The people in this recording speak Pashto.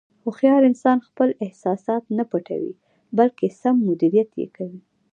هوښیار انسان خپل احساسات نه پټوي، بلکې سم مدیریت یې کوي.